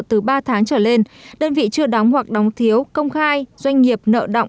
từ ba tháng trở lên đơn vị chưa đóng hoặc đóng thiếu công khai doanh nghiệp nợ động